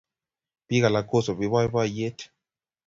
piik alak ko subi boiboiyet